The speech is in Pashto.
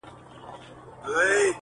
o که نه نو ولي بيا جواب راکوي.